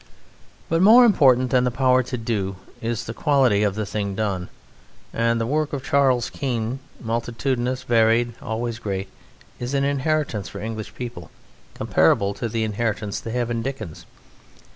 But more important than the power to do is the quality of the thing done, and the work of Charles Keene, multitudinous, varied, always great, is an inheritance for English people comparable to the inheritance they have in Dickens.